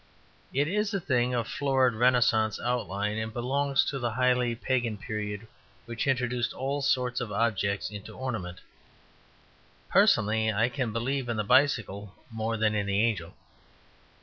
It is a thing of florid Renascence outline, and belongs to the highly pagan period which introduced all sorts of objects into ornament: personally I can believe in the bicycle more than in the angel.